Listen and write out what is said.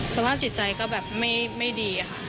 สภาพจิตใจก็แบบไม่ดีค่ะ